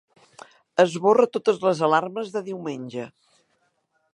Esborra totes les alarmes de diumenge.